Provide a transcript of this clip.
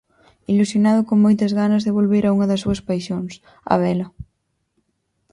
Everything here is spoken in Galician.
Ilusionado e con moitas ganas de volver a unha das súas paixóns, a vela.